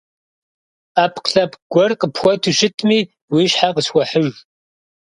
Ӏэпкълъэпкъ гуэр къыпхуэту щытми уи щхьэ къысхуэхьыж.